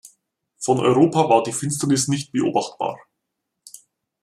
Von Europa war die Finsternis nicht beobachtbar.